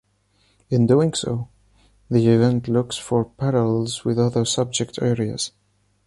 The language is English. In doing so, the event looks for parallels with other subject areas.